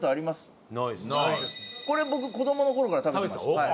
これ僕子供の頃から食べてました。